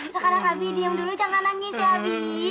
sekarang abi diem dulu jangan nangis ya abi